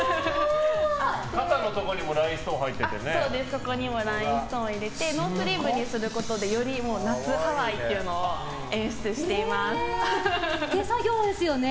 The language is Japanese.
ここにもラインストーンを入れてノースリーブにすることで夏、ハワイっていうのを手作業ですよね。